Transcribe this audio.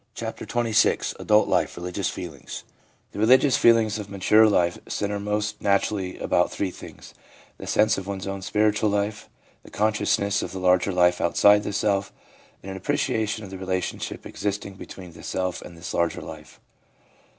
CHAPTER XXVI ADULT LIFE — RELIGIOUS FEELINGS The religious feelings of mature life centre most natur ally about three things : the sense of one's own spiritual life, the consciousness of the larger life outside the self, and an appreciation of the relationship existing between the self and this larger life.